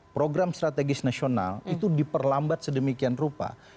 program strategis nasional itu diperlambat sedemikian rupa